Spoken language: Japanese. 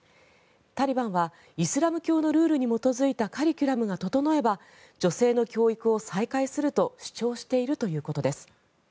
タリバンはイスラム教のルールに基づいたカリキュラムが整えば女性の教育を再開すると主張しているということです。